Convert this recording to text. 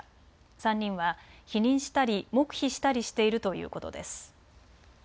３人は否認したり黙秘したりしているということです。